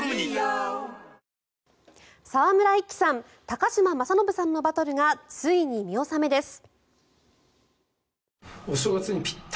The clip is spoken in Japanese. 高嶋政伸さんのバトルがついに見納めです。